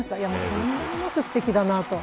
とんでもなくすてきだなと。